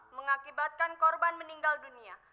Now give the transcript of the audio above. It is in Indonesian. mengakibatkan korban meninggal dunia